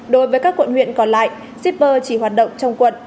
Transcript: đối với các quận huyện còn lại shipper chỉ hoạt động trong quận